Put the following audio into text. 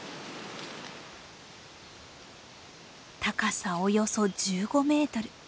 高さおよそ１５メートル。